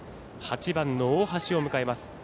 ８番の大橋を迎えます。